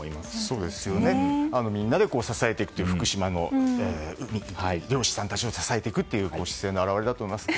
みんなで支えていく福島の海漁師さんたちを支えていくという姿勢の表れだと思います。